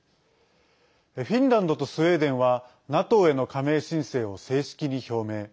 フィンランドとスウェーデンはＮＡＴＯへの加盟申請を正式に表明。